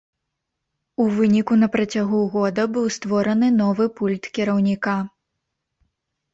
У выніку на працягу года быў створаны новы пульт кіраўніка.